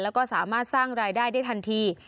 แล้วก็สามารถสร้างรายได้ได้ทันที